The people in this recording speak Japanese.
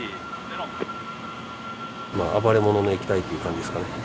まあ暴れ者の液体という感じですかね。